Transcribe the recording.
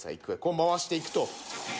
こう回していくと。